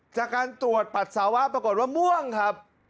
จากการตรวจปัสสาวะปรากฏว่าม่วงครับ